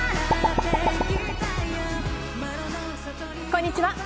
こんにちは。